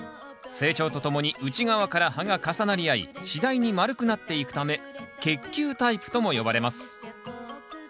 成長とともに内側から葉が重なり合い次第に丸くなっていくため結球タイプとも呼ばれます。